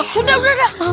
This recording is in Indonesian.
sudah sudah sudah